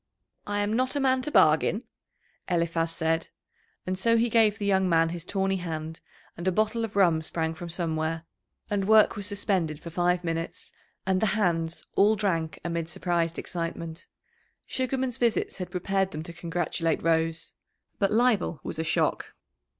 "I am not a man to bargain," Eliphaz said, and so he gave the young man his tawny hand, and a bottle of rum sprang from somewhere, and work was suspended for five minutes, and the "hands" all drank amid surprised excitement. Sugarman's visits had prepared them to congratulate Rose. But Leibel was a shock.